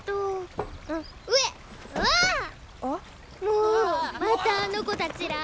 もうまたあの子たちら。